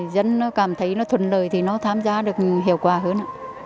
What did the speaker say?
dân nó cảm thấy nó thuận lợi thì nó tham gia được hiệu quả hơn